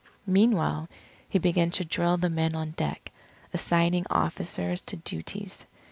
Meanwhile, he began to drill the men on deck, assigning officers to duties.